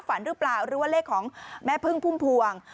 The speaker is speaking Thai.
ฝันหรือเปล่าหรือว่าเลขของแม่พึ่งพุ่มพวง